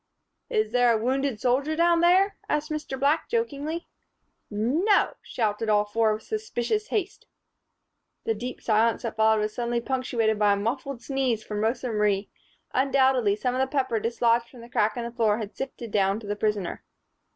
"Is there a wounded soldier down there?" asked Mr. Black, jokingly. "No!" shouted all four with suspicious haste. The deep silence that followed was suddenly punctuated by a muffled sneeze from Rosa Marie. Undoubtedly, some of the pepper dislodged from the crack in the floor had sifted down to the prisoner.